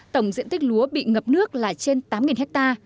tổng diện tích lúa bị ngập nước là trên tám ha